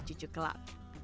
dan juga cucu kelab